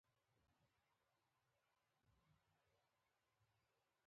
غزني د افغانستان د اقتصادي ودې لپاره خورا ډیر ارزښت لري.